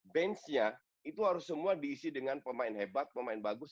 bench nya itu harus semua diisi dengan pemain hebat pemain bagus